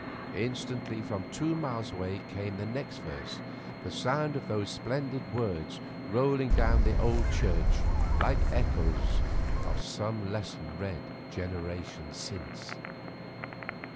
Instantly from two miles away came the next verse, the sound of those splendid words rolling down the old church like echoes of some lesson read generations since.